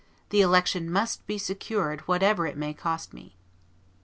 ... The election must be secured, whatever it may cost me."